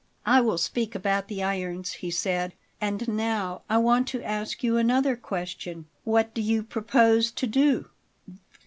"I will speak about the irons," he said. "And now I want to ask you another question: What do you propose to do?"